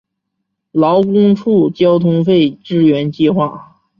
劳工处交通费支援计划